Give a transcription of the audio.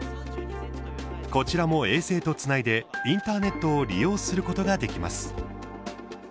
こちらも衛星とつないでインターネットを利用することができます。